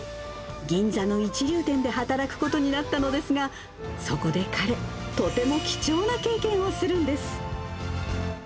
銀座の一流店で働くことになったのですが、そこで彼、とても貴重な経験をするんです。